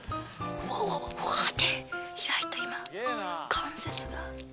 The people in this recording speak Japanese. グワって開いた今関節が。